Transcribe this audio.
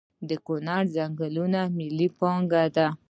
د کنړ ځنګلونه ملي پانګه ده؟